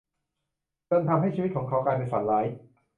จนทำให้ชีวิตของเขากลายเป็นฝันร้าย